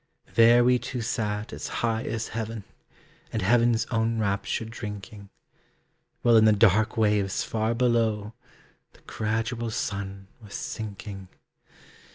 There we two sat as high as heaven, And heaven's own rapture drinking. While in the dark waves far below; The gradual sun was sinking.